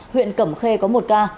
huyện cẩm khê có một ca